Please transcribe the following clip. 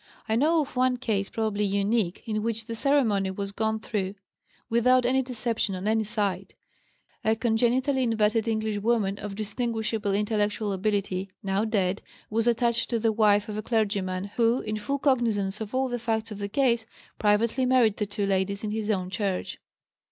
I know of one case, probably unique, in which the ceremony was gone through without any deception on any side: a congenitally inverted Englishwoman of distinguished intellectual ability, now dead, was attached to the wife of a clergyman, who, in full cognizance of all the facts of the case, privately married the two ladies in his own church.